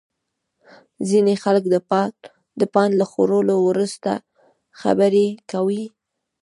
ځینې خلک د پان له خوړلو وروسته خبرې کوي.